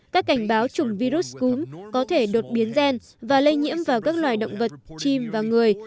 các cảnh báo chủng virus cúm có thể đột biến gen và lây nhiễm vào các loài động vật chim và người